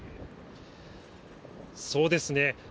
そうですね。